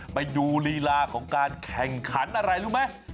ไปดูลีลาของการแข่งขันอะไรรู้ไหม